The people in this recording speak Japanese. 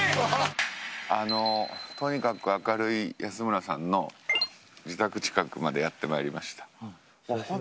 とにかく明るい安村さんの自宅近くまでやってまいりました。